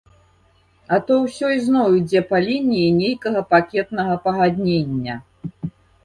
А то ўсё ізноў ідзе па лініі нейкага пакетнага пагаднення!